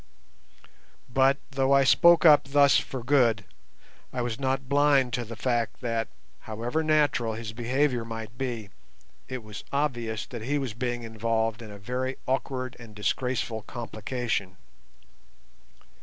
But, though I spoke up thus for Good, I was not blind to the fact that, however natural his behaviour might be, it was obvious that he was being involved in a very awkward and disgraceful complication.